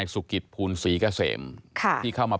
ก็ไม่รู้ว่าฟ้าจะระแวงพอพานหรือเปล่า